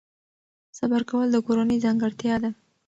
صبر کول د کورنۍ ځانګړتیا ده.